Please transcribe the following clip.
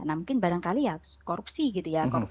nah mungkin barangkali ya korupsi gitu ya